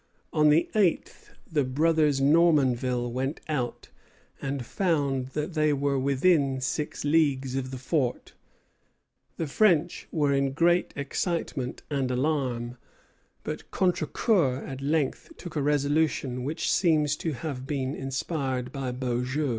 On the eighth the brothers Normanville went out, and found that they were within six leagues of the fort. The French were in great excitement and alarm; but Contrecœur at length took a resolution, which seems to have been inspired by Beaujeu.